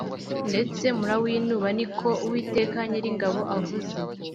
ndetse murawinuba ni ko Uwiteka Nyiringabo avuga